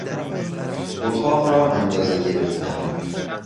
اتاق را اندازه گرفتن